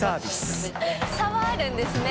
松田）差はあるんですね。